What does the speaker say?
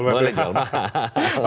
boleh jual mahal